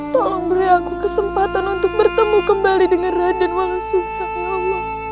tolong beri aku kesempatan untuk bertemu kembali dengan raden walau susah ya allah